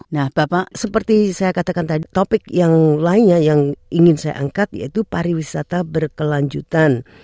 nah bapak seperti saya katakan tadi topik yang lainnya yang ingin saya angkat yaitu pariwisata berkelanjutan